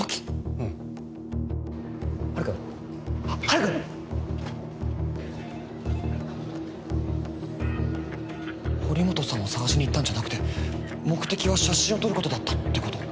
うんハルくん？ハルくん堀本さんをさがしに行ったんじゃなくて目的は写真を撮ることだったってこと？